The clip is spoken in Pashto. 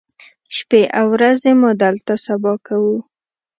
شپې او ورځې مو دلته سبا کوو.